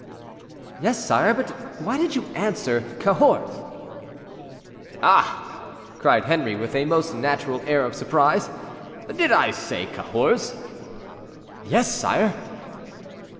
"Yes, sire; but why did you answer 'Cahors'?" "Ah!" cried Henri, with a most natural air of surprise, "did I say 'Cahors'?" "Yes, sire."